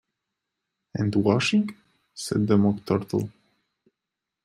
‘And washing?’ said the Mock Turtle.